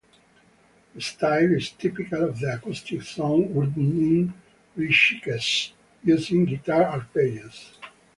The style is typical of the acoustic songs written in Rishikesh, using guitar arpeggios.